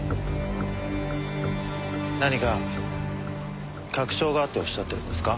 何か確証があっておっしゃってるんですか？